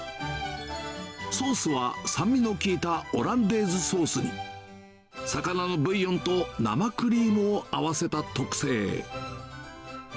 ソースは酸味の効いたオランデーズソースに、魚のブイヨンと生クリームを合わせた特製。